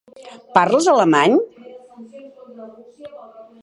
Parles alemany?